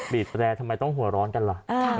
บีบแดดทำไมต้องหัวร้อนกันเหรอ